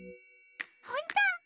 ほんと！？